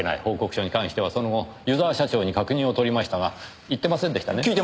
報告書に関してはその後湯沢社長に確認を取りましたが言ってませんでしたね。